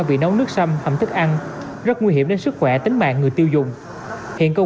vị nấu nước xăm hẩm thức ăn rất nguy hiểm đến sức khỏe tính mạng người tiêu dùng hiện công